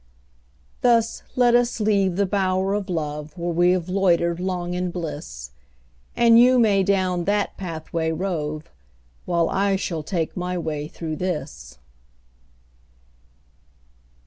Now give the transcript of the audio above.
Thus let us leave the bower of love, Where we have loitered long in bliss; And you may down that pathway rove, While I shall take my way through this.